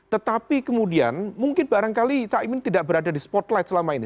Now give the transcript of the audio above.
tetapi kemudian mungkin barangkali caimin tidak berada di spotlight selama ini